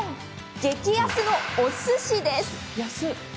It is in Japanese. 激安のおすしです。